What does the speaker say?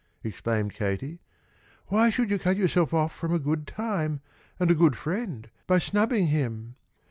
exclaimed Katie. "Why should you cut yourself off from a good time and a good friend by snubbing him?